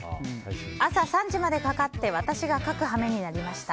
朝３時までかかって私が描く羽目になりました。